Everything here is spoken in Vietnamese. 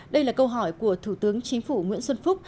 đây là câu hỏi của thủ tướng chính phủ nguyễn xuân phúc